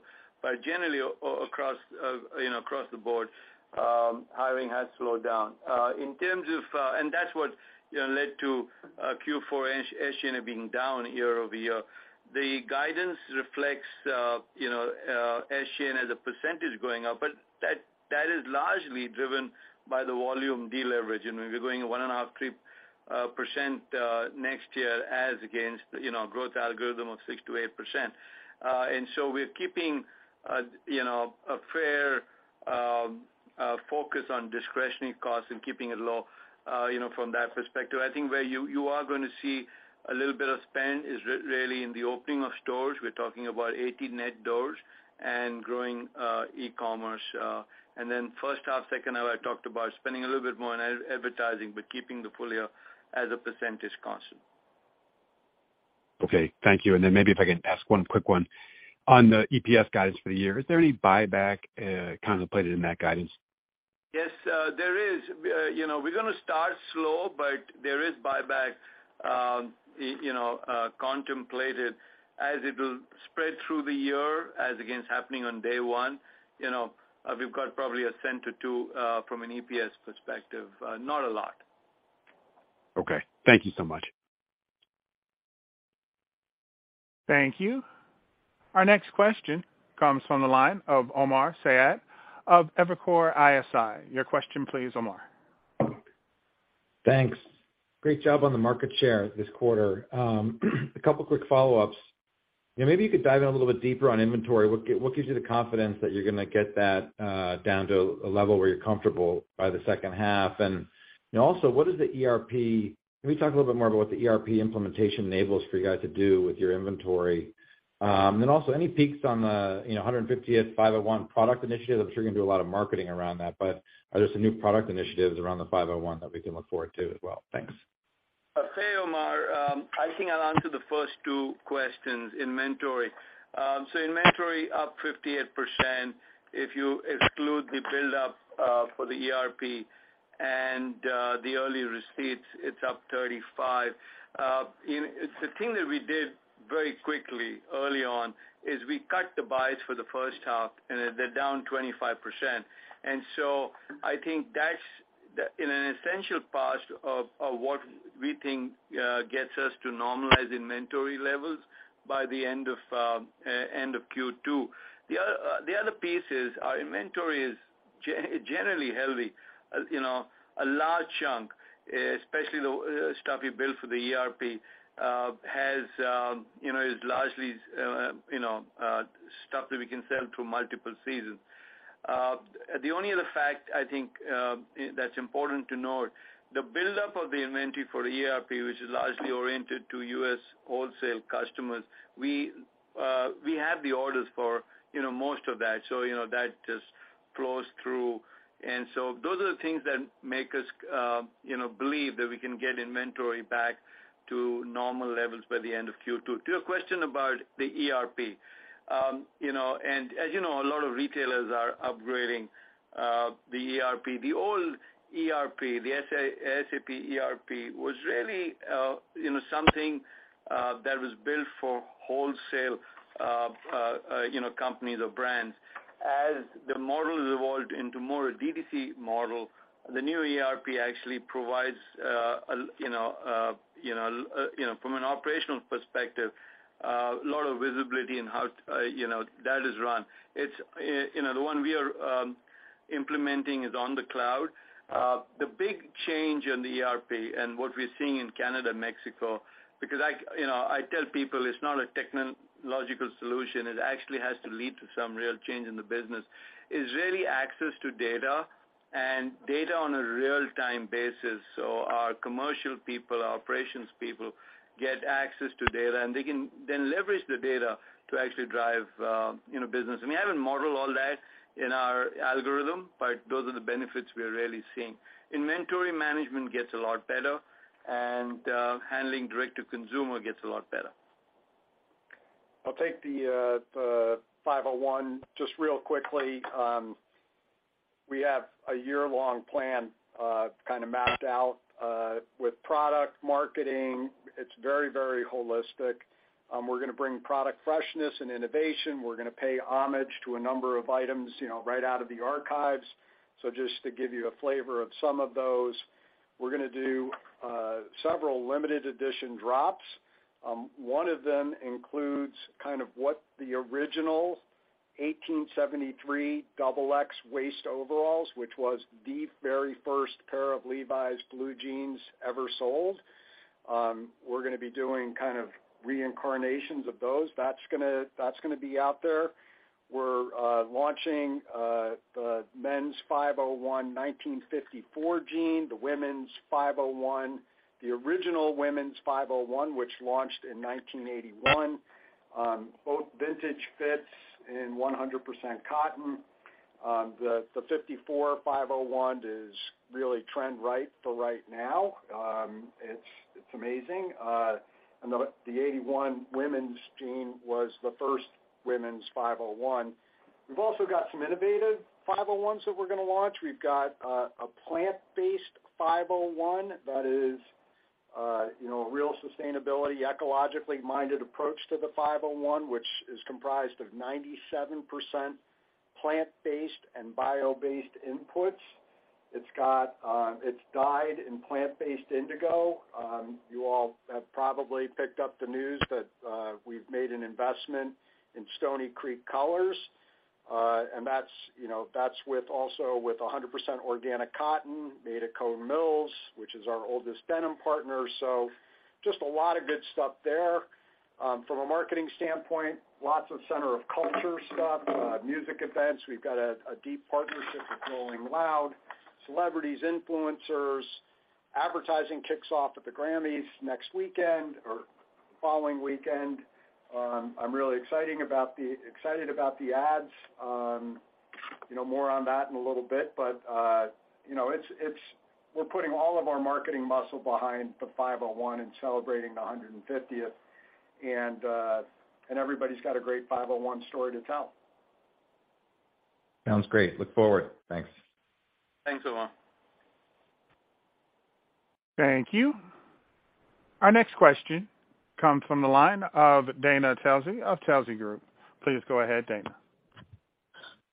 D: Generally across, you know, across the board, hiring has slowed down. That's what, you know, led to Q4 H&M being down year-over-year. The guidance reflects, you know, H&M as a percentage going up, but that is largely driven by the volume deleverage. You know, we're going 1.5%-3% next year as against, you know, growth algorithm of 6%-8%. We're keeping, you know, a fair focus on discretionary costs and keeping it low, you know, from that perspective. I think where you are gonna see a little bit of spend is really in the opening of stores. We're talking about 80 net doors and growing e-commerce. Then first half, second half, I talked about spending a little bit more on advertising, but keeping the full year as a percentage constant.
H: Okay. Thank you. Maybe if I can ask one quick one. On the EPS guidance for the year, is there any buyback contemplated in that guidance?
D: Yes, there is. You know, we're gonna start slow, but there is buyback, you know, contemplated as it will spread through the year as against happening on day one. You know, we've got probably $0.01 or $0.02 from an EPS perspective. Not a lot.
H: Okay. Thank you so much.
A: Thank you. Our next question comes from the line of Omar Saad of Evercore ISI. Your question please, Omar.
I: Thanks. Great job on the market share this quarter. A couple of quick follow-ups. You know, maybe you could dive in a little bit deeper on inventory? What gives you the confidence that you're gonna get that down to a level where you're comfortable by the second half? You know, also, what is the ERP? Can you talk a little bit more about what the ERP implementation enables for you guys to do with your inventory? Also any peaks on the, you know, 150th 501 product initiative? I'm sure you're gonna do a lot of marketing around that, but are there some new product initiatives around the 501 that we can look forward to as well? Thanks.
D: Okay, Omar. I think I'll answer the first two questions. Inventory. Inventory up 58%. If you exclude the build up for the ERP and the early receipts, it's up 35%. You know, it's the thing that we did very quickly early on is we cut the buys for the first half, and they're down 25%. I think that's an essential part of what we think gets us to normalize inventory levels by the end of end of Q2. The other the other piece is our inventory is generally healthy. You know, a large chunk, especially the stuff we built for the ERP, has, you know, is largely, you know, stuff that we can sell through multiple seasons. The only other fact I think that's important to note, the buildup of the inventory for the ERP, which is largely oriented to U.S. wholesale customers, we have the orders for, you know, most of that. You know, that just flows through. Those are the things that make us, you know, believe that we can get inventory back to normal levels by the end of Q2. To your question about the ERP, you know, and as you know, a lot of retailers are upgrading the ERP. The old ERP, the SAP ERP, was really, you know, something that was built for wholesale, you know, companies or brands. As the model evolved into more a D2C model, the new ERP actually provides a, you know, from an operational perspective, a lot of visibility in how, you know, that is run. It's, you know, the one we are implementing is on the cloud. The big change in the ERP and what we're seeing in Canada and Mexico, because I, you know, I tell people it's not a technological solution, it actually has to lead to some real change in the business, is really access to data and data on a real-time basis. Our commercial people, our operations people get access to data, and they can then leverage the data to actually drive, you know, business. We haven't modeled all that in our algorithm, but those are the benefits we are really seeing. Inventory management gets a lot better, and handling direct-to-consumer gets a lot better. I'll take the 501 just real quickly. We have a year-long plan, kind of mapped out, with product marketing. It's very, very holistic. We're gonna bring product freshness and innovation. We're gonna pay homage to a number of items, you know, right out of the archives. Just to give you a flavor of some of those, we're gonna do several limited edition drops. One of them includes kind of what the original.
C: 1873 XX waist overalls, which was the very first pair of Levi's blue jeans ever sold, we're gonna be doing kind of reincarnations of those. That's gonna be out there. We're launching the men's 501 1954 jean, the women's 501. The original women's 501, which launched in 1981. Both vintage fits in 100% cotton. The 54 501 is really trend right for right now. It's amazing. The 81 women's jean was the first women's 501. We've also got some innovative 501s that we're gonna launch. We've got a plant-based 501 that is, you know, real sustainability, ecologically-minded approach to the 501, which is comprised of 97% plant-based and bio-based inputs. It's dyed in plant-based indigo. You all have probably picked up the news that we've made an investment in Stony Creek Colors, and that's, you know, that's with also with 100% organic cotton made at Cone Mills, which is our oldest denim partner. Just a lot of good stuff there. From a marketing standpoint, lots of center of culture stuff. Music events. We've got a deep partnership with Rolling Loud. Celebrities, influencers. Advertising kicks off at the Grammys next weekend or the following weekend. I'm really excited about the ads. You know, more on that in a little bit. We're putting all of our marketing muscle behind the 501 and celebrating the 150th. Everybody's got a great 501 story to tell.
D: Sounds great. Look forward. Thanks.
C: Thanks, Omar.
A: Thank you. Our next question comes from the line of Dana Telsey of Telsey Group. Please go ahead, Dana.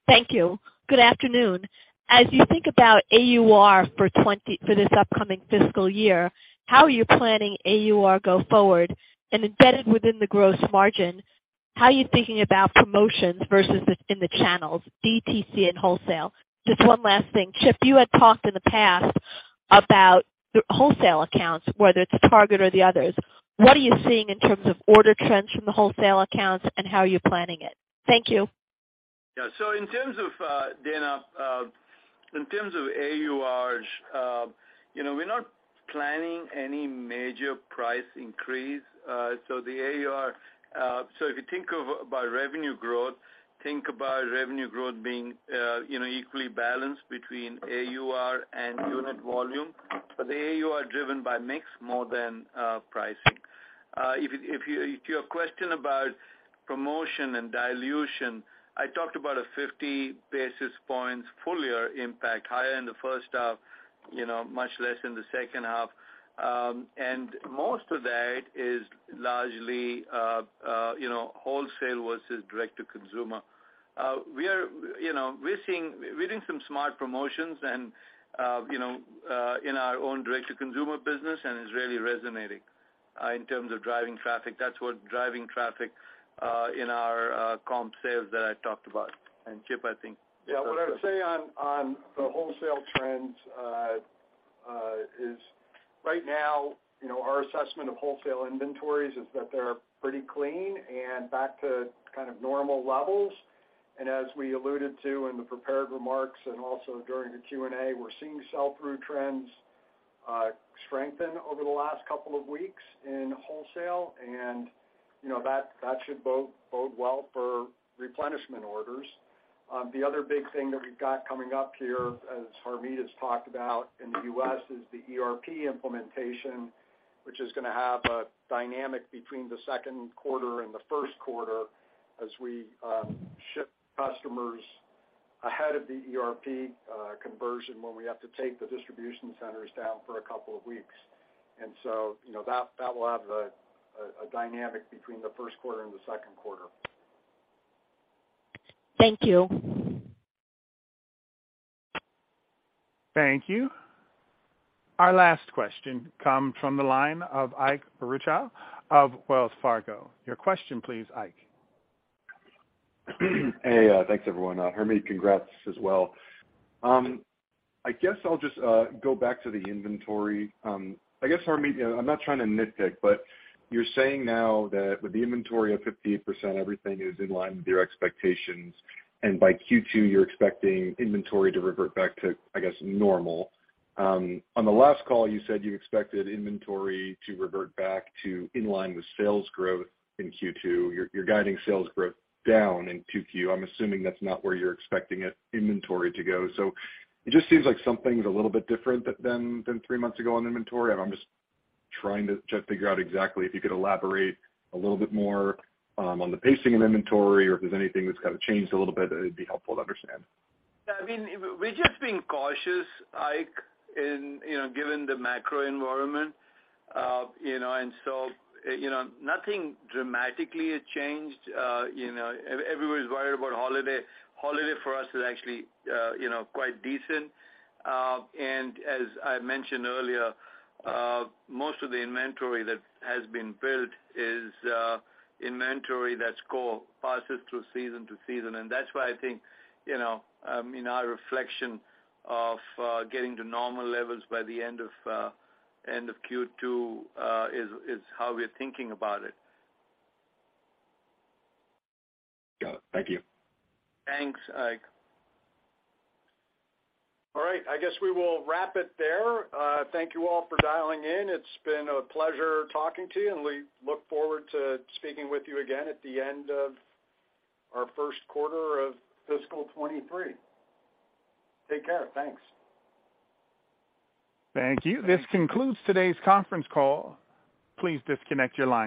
J: Thank you. Good afternoon. As you think about AUR for this upcoming fiscal year, how are you planning AUR go forward? Embedded within the gross margin, how are you thinking about promotions versus in the channels, DTC and wholesale? Just one last thing. Chip, you had talked in the past about wholesale accounts, whether it's Target or the others. What are you seeing in terms of order trends from the wholesale accounts, and how are you planning it? Thank you.
D: Yeah. In terms of Dana Telsey, in terms of AURs, you know, we're not planning any major price increase. The AUR, if you think of about revenue growth, think about revenue growth being, you know, equally balanced between AUR and unit volume. The AUR are driven by mix more than pricing. To your question about promotion and dilution, I talked about a 50 basis points full year impact higher in the first half, you know, much less in the second half. Most of that is largely, you know, wholesale versus direct to consumer. We're doing some smart promotions and, you know, in our own direct to consumer business, it's really resonating in terms of driving traffic. That's what driving traffic in our comp sales that I talked about. Chip, I think
C: Yeah. What I'd say on the wholesale trends, is right now, you know, our assessment of wholesale inventories is that they're pretty clean and back to kind of normal levels. As we alluded to in the prepared remarks and also during the Q&A, we're seeing sell-through trends strengthen over the last couple of weeks in wholesale. You know, that should bode well for replenishment orders. The other big thing that we've got coming up here, as Harmit has talked about in the U.S., is the ERP implementation, which is gonna have a dynamic between the second quarter and the first quarter as we ship customers ahead of the ERP conversion, when we have to take the distribution centers down for a couple of weeks. You know, that will have a dynamic between the first quarter and the second quarter.
J: Thank you.
A: Thank you. Our last question comes from the line of Ike Boruchow of Wells Fargo. Your question please, Ike.
K: Thanks everyone. Harmit, congrats as well. I guess I'll just go back to the inventory. I guess, Harmit, I'm not trying to nitpick, but you're saying now that with the inventory of 58%, everything is in line with your expectations. By Q2, you're expecting inventory to revert back to, I guess, normal. On the last call, you said you expected inventory to revert back to in line with sales growth in Q2. You're guiding sales growth down in 2Q. I'm assuming that's not where you're expecting it, inventory to go. It just seems like something's a little bit different than three months ago on inventory, and I'm just trying to just figure out exactly if you could elaborate a little bit more on the pacing in inventory or if there's anything that's kind of changed a little bit, it'd be helpful to understand?
D: I mean, we're just being cautious, Ike, in, you know, given the macro environment. you know, nothing dramatically has changed. you know, everybody's worried about holiday. Holiday for us is actually, you know, quite decent. As I mentioned earlier, most of the inventory that has been built is inventory that's core, passes through season to season. That's why I think, you know, in our reflection of getting to normal levels by the end of Q2 is how we're thinking about it.
K: Got it. Thank you.
D: Thanks, Ike.
C: All right. I guess we will wrap it there. Thank you all for dialing in. It's been a pleasure talking to you. We look forward to speaking with you again at the end of our first quarter of fiscal 23. Take care. Thanks.
A: Thank you. This concludes today's conference call. Please disconnect your lines.